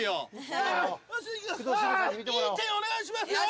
いい点お願いしますよ。